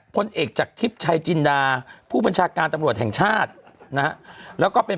พลเอกจากทิพย์ชัยจินดาผู้บัญชาการตำรวจแห่งชาตินะฮะแล้วก็เป็น